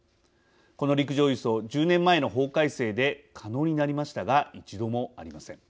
この陸上輸送１０年前の法改正で可能になりましたが一度もありません。